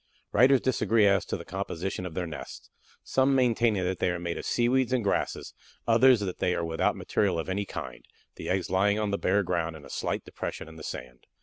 Writers disagree as to the composition of their nests, some maintaining that they are made of seaweeds and grasses, others that they are without material of any kind, the eggs lying upon the bare ground in a slight depression in the sand.